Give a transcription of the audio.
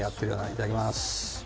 いただきます。